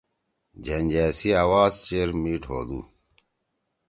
جھینجأ سی آواز چیر میِٹ ہودُو۔